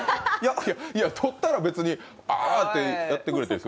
取ったら別にあってやってくれたらいい。